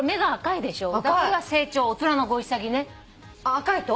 赤いと？